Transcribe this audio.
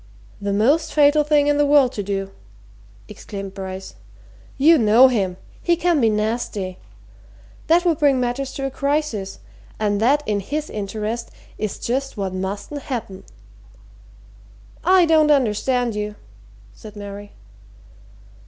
"The most fatal thing in the world to do!" exclaimed Bryce. "You know him he can be nasty. That would bring matters to a crisis. And that, in his interest, is just what mustn't happen." "I don't understand you," said Mary.